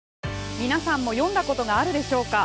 皆さんも読んだことがあるでしょうか。